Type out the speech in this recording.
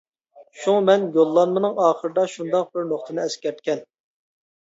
شۇڭا مەن يوللانمىنىڭ ئاخىرىدا شۇنداق بىر نۇقتىنى ئەسكەرتكەن.